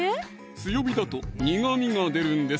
強火だと苦みが出るんです